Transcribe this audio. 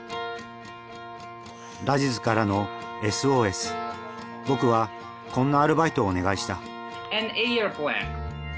ラジズからのＳＯＳ僕はこんなアルバイトをお願いした。